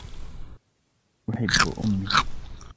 أحب أمي.